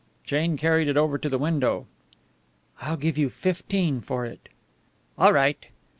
Jane carried it over to the window. "I will give you fifteen for it." "All right."